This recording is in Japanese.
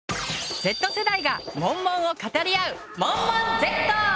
Ｚ世代がモンモンを語り合う「モンモンＺ」！